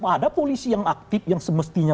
ada polisi yang aktif yang semestinya